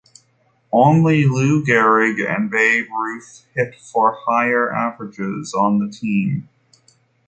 Only Lou Gehrig and Babe Ruth hit for higher averages on the team.